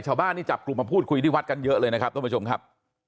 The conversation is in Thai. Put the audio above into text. ชาวบ้านนี่จับกลุ่มมาพูดคุยที่วัดกันเยอะเลยนะครับท่านผู้ชมครับ